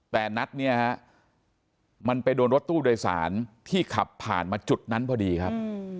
แต่นัดเนี่ยฮะมันไปโดนรถตู้โดยสารที่ขับผ่านมาจุดนั้นพอดีครับ